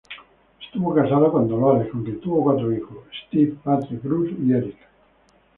Estuvo casado con Dolores, con quien tuvo cuatro hijos, Steve, Patrick, Bruce, y Eric.